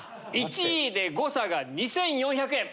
１位で誤差が２４００円。